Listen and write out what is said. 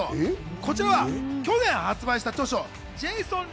こちらは去年発売した著書『ジェイソン流